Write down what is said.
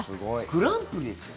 グランプリですよ。